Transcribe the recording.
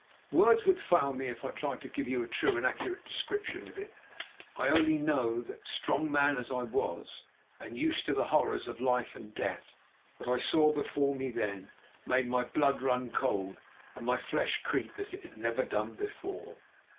Words would fail me if I tried to give you a true and accurate description of it. I only know that, strong man as I was, and used to the horrors of life and death, what I saw before me then made my blood run cold and my flesh creep as it had never done before.